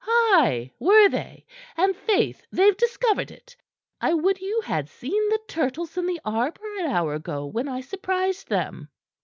"Ay were they. And faith they've discovered it. I would you had seen the turtles in the arbor an hour ago, when I surprised them."